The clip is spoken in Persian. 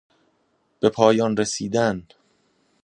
بپایان رسیدن